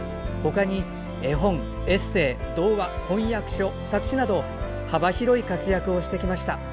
ほかに絵本、エッセー、童話翻訳書、作詞など幅広い活躍をしてきました。